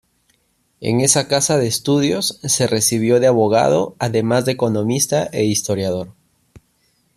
En esa casa de estudios se recibió de abogado, además de economista e historiador.